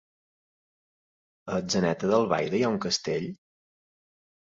A Atzeneta d'Albaida hi ha un castell?